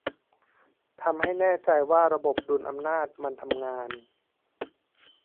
ทำให้แน่ใจว่าระบบดุลอำนาจมันทำงาน